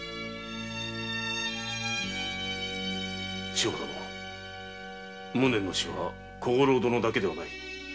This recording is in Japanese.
・志保殿無念の死は小五郎殿だけではない。